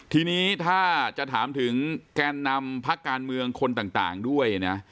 ทีนี้ถ้าจะถามถึงแกนนำพักการเมืองคนต่างด้วยนะ